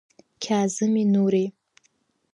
Қьаазыми Нурии…